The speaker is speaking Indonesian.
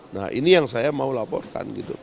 nah ini yang saya mau laporkan gitu